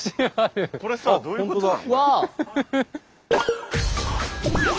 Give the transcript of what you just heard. これさどういうことなの？